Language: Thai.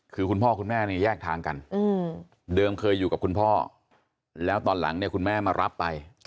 คือคุณพ่อคุณแม่เนี่ยแยกทางกันเดิมเคยอยู่กับคุณพ่อแล้วตอนหลังเนี่ยคุณแม่มารับไป